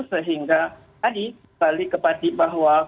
sehingga tadi balik kepada bahwa